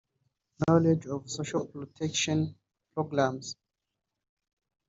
Knowledge of the social protection programmes